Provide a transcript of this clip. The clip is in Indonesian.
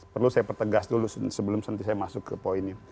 perlu saya pertegas dulu sebelum nanti saya masuk ke poinnya